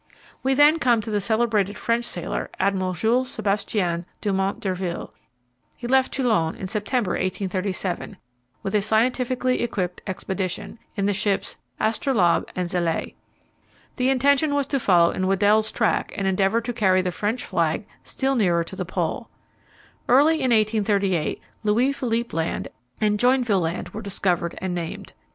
We then come to the celebrated French sailor, Admiral Jules Sébastien Dumont d'Urville. He left Toulon in September, 1837, with a scientifically equipped expedition, in the ships Astrolabe and Zélée. The intention was to follow in Weddell's track, and endeavour to carry the French flag still nearer to the Pole. Early in 1838 Louis Philippe Land and Joinville Island were discovered and named.